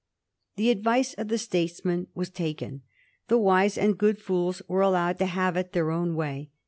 The advice of the statesman was taken. The wise and good fools were allowed to have it their own way.